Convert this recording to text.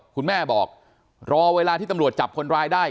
คุณแม่บอกรอเวลาที่ตำรวจจับคนร้ายได้